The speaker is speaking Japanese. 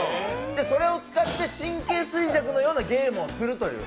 それを使って神経衰弱のようなゲームをするという。